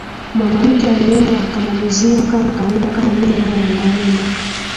mwanamke aliumbwa akamaliziwa kama kawaida kama alivyoumbwa mwamume